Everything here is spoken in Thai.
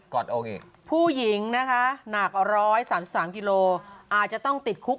ก็เอาผู้หญิงนะนัก๖๓กิโลอาจจะต้องติดคุก